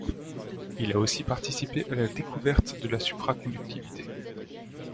Il a aussi participé à la découverte de la supraconductivité.